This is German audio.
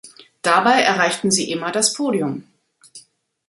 Dabei erreichten sie immer das Podium.